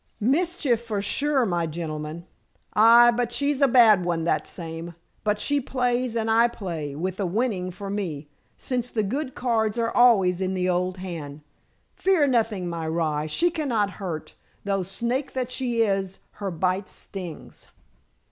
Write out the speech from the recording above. "Mischief for sure, my gentleman. Hai, but she's a bad one, that same. But she plays and I play, with the winning for me since the good cards are always in the old hand. Fear nothing, my rye. She cannot hurt, though snake that she is, her bite stings."